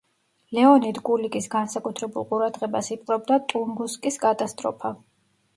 ლეონიდ კულიკის განსაკუთრებულ ყურადღებას იპყრობდა ტუნგუსკის კატასტროფა.